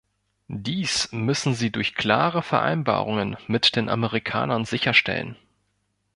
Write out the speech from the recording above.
Dies müssen Sie durch klare Vereinbarungen mit den Amerikanern sicherstellen.